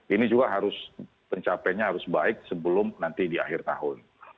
ini juga harus pencapaiannya harus baik sebelum nanti di akhir tahun